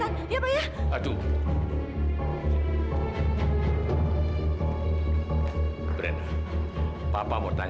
aku masih cuma berteman